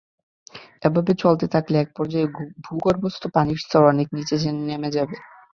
এভাবে চলতে থাকলে একপর্যায়ে ভূগর্ভস্থ পানির স্তর অনেক নিচে নেমে যাবে।